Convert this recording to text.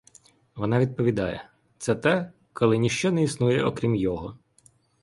Вона відповідає: це те, коли ніщо не існує, окрім його.